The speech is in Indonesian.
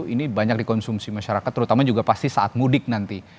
ini banyak dikonsumsi masyarakat terutama juga pasti saat mudik nanti